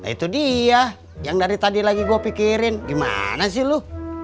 itu dia yang dari tadi lagi gue pikirin gimana sih lu